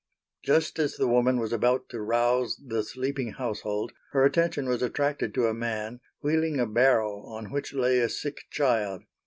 Just as the woman was about to rouse the sleeping household her attention was attracted to a man wheeling a barrow on which lay a sick child.